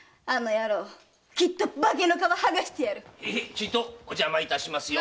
ちょいとお邪魔しますよ。